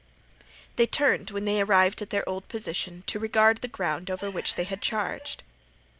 They turned when they arrived at their old position to regard the ground over which they had charged.